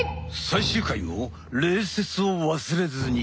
最終回も礼節を忘れずに。